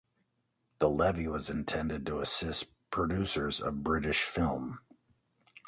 The levy was intended to assist producers of British film.